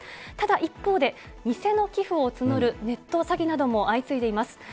ただ、一方で、偽の寄付を募るネットの詐欺なども相次いでいます。